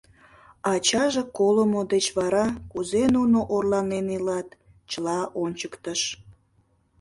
Ачаже колымо деч вара кузе нуно орланен илат, чыла ончыктыш.